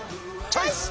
チョイス！